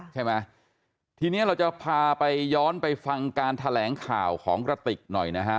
ใช่ไหมทีนี้เราจะพาไปย้อนไปฟังการแถลงข่าวของกระติกหน่อยนะฮะ